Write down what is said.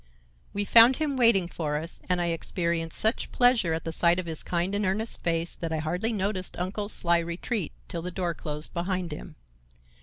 We found him waiting for us, and I experienced such pleasure at sight of his kind and earnest face that I hardly noticed uncle's sly retreat till the door closed behind him.